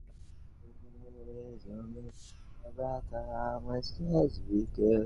কৌতুকে মতির চোখ উজ্জ্বল হইয়া উঠিল।